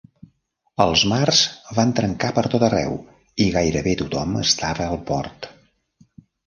Els mars van trencar per tot arreu i gairebé tothom estava al port.